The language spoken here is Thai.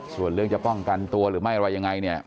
ส่วนเรื่องจะป้องกันตัวหรือไม่อะไรยังไงเนี่ย